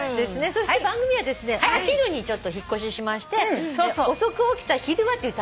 そして番組はですねお昼に引っ越ししまして『おそく起きた昼は』っていうタイトルになりますよね。